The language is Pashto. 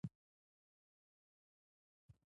ازادي راډیو د د ښځو حقونه ستر اهميت تشریح کړی.